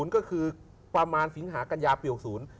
ก็คือประมาณสิงหากัญญาปี๖๐